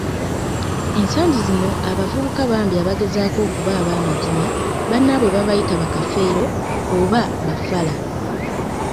Ensangi zino abavubuka bambi abagezaako okuba abaamazima bannaabwe babayita ba, Kafeero oba ba, Fala.